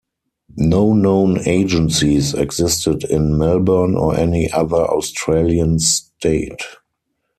No known agencies existed in Melbourne or any other Australian State.